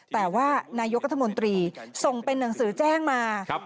แต่ว่านายกตมส่งเป็นหนังสือแจ้งมา